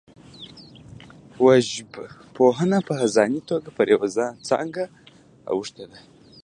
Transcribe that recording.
وژژبپوهنه په ځاني توګه پر یوه څانګه اوښتې ده